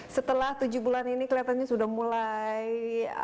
setelah tujuh bulan ini kelihatannya sudah mulai